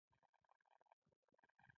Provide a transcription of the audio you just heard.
په یوه یا دوو کلونو کې بېرته ورانېږي.